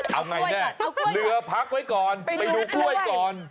เอาไงแน่เรือพักไว้ก่อนไปดูกล้วยก่อน